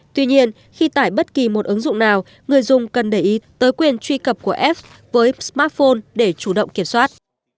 tuy nhiên khi tải bất kỳ một ứng dụng nào người dùng cần để ý tới quyền truy cập của f với smartphone để chủ động kiểm soát